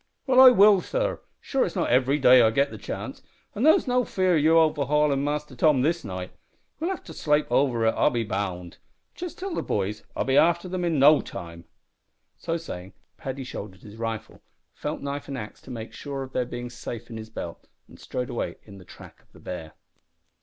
"Well, I will, sor. Sure it's not ivery day I git the chance; an' there's no fear o' ye overhaulin' Mister Tom this night. We'll have to slape over it, I'll be bound. Just tell the boys I'll be after them in no time." So saying Paddy shouldered his rifle, felt knife and axe to make sure of their being safe in his belt, and strode away in the track of the bear.